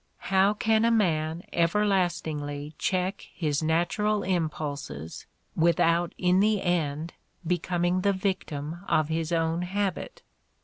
How can a man everlastingly check his natural impulses with out in the end becoming the victim of his own habit?